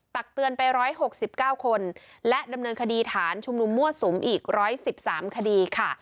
ตักเตือนไปร้อยหกสิบเก้าคนและดำเนินคดีฐานชุมรุมมวชสุมอีกร้อยสิบสามคดีค่ะ